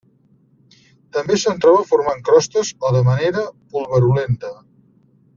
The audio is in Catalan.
També se'n troba formant crostes o de manera pulverulenta.